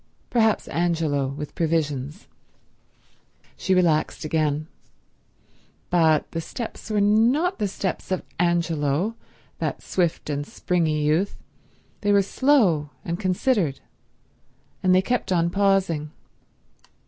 Perhaps Angelo, with provisions. She relaxed again. But the steps were not the steps of Angelo, that swift and springy youth; they were slow and considered, and they kept on pausing.